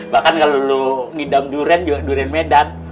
bahkan kalo lo ngidam duren duren medan